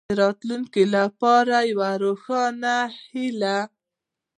د راتلونکې لپاره یوه روښانه هیله.